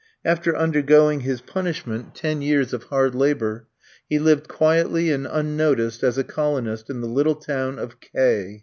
After undergoing his punishment ten years of hard labour he lived quietly and unnoticed as a colonist in the little town of K